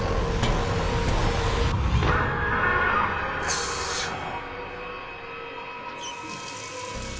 クソッ。